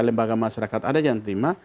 lembaga masyarakat ada yang terima